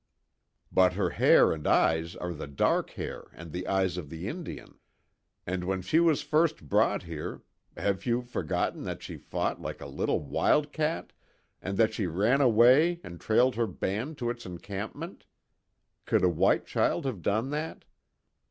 "But her hair and eyes are the dark hair and eyes of the Indian. And when she was first brought here, have you forgotten that she fought like a little wild cat, and that she ran away and trailed her band to its encampment? Could a white child have done that?"